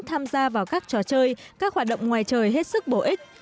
tham gia vào các trò chơi các hoạt động ngoài trời hết sức bổ ích